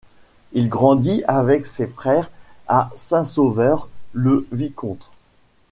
Il grandit avec ses frères à Saint-Sauveur-le-Vicomte.